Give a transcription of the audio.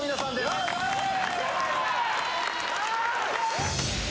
お願いします！